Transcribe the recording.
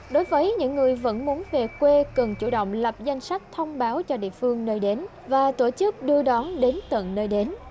đối với những người vẫn muốn về quê cần chủ động lập danh sách thông báo cho địa phương nơi đến và tổ chức đưa đón đến tận nơi đến